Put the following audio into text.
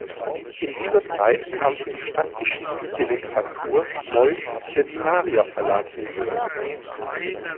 In dieser Zeit kam für die stadtgeschichtliche Literatur neu der Vimaria-Verlag hinzu.